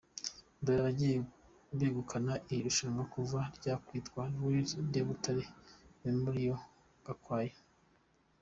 Dore abagiye begukana iri rushanwa kuva ryakwitwa Rallye de Butare Mémorial Gakwaya:.